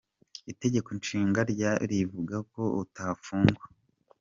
Itegeko Nshinga ryo rivuga ko utafungwa.